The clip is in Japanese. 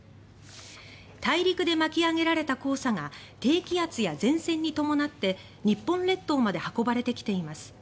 大陸で巻き上げられた黄砂が低気圧や前線に伴って日本列島まで運ばれてきています。